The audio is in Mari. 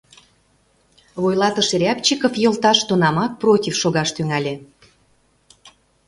Вуйлатыше Рябчиков йолташ тунамак против шогаш тӱҥале.